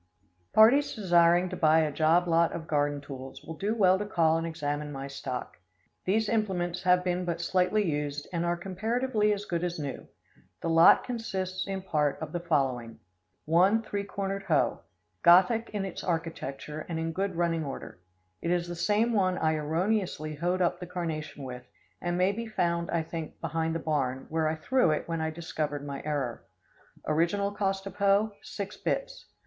Parties desiring to buy a job lot of garden tools, will do well to call and examine my stock. These implements have been but slightly used, and are comparatively as good as new. The lot consists in part of the following: One three cornered hoe, Gothic in its architecture and in good running order. It is the same one I erroneously hoed up the carnation with, and may be found, I think, behind the barn, where I threw it when I discovered my error. Original cost of hoe, six bits.